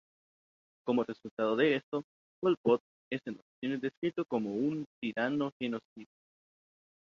Como resultado de esto, Pol Pot es en ocasiones descrito como"un tirano genocida".